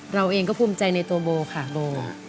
เราเองก็ภูมิใจในตัวโบค่ะโบ